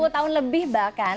dua puluh tahun lebih bahkan